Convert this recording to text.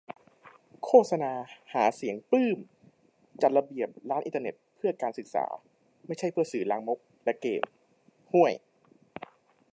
โฆษณาหาเสียง-ปลื้ม :"จัดระเบียบ ร้านอินเทอร์เน็ต เพื่อการศึกษา ไม่ใช่เพื่อสื่อลามกและเกมส์" - ฮ่วย !